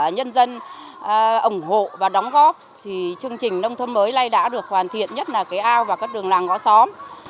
nhân dân ủng hộ và đóng góp chương trình nông thôn mới này đã được hoàn thiện nhất là cái ao và các đường làng gõ xóm